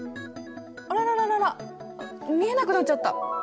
あらららららっ見えなくなっちゃった。